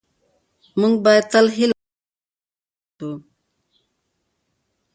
موږ باید تل هیله او هڅه ژوندۍ وساتو